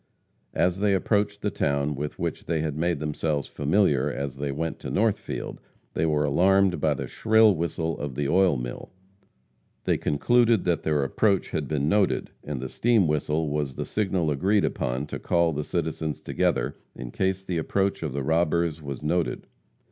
As they approached the town with which they had made themselves familiar as they went to Northfield, they were alarmed by the shrill whistle of the oil mill. They concluded that their approach had been noted, and the steam whistle was the signal agreed upon to call the citizens together in case the approach of the robbers was noted.